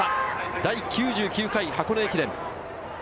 第９９回箱根駅伝。